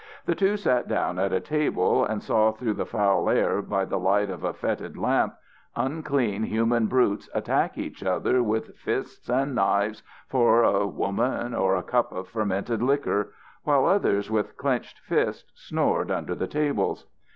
The two sat down at a table and saw through the foul air by the light of a fetid lamp, unclean human brutes attack each other with fists and knives for a woman or a cup of fermented liquor, while others with clenched fists snored under the tables.